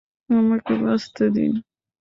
আমাকে বাঁচতে দিন!